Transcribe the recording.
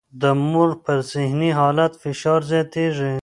د مور پر ذهني حالت فشار زیاتېږي.